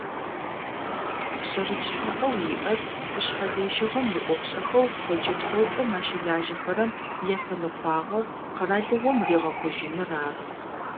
Пшъэрылъ шъхьаӏэу иӏэр гушъхьэлэжьыгъэм иӏофышӏэхэу къоджэ псэупӏэхэм ащылажьэхэрэм яфэныкъуагъэ къэралыгъом ригъэкъужьыныр ары.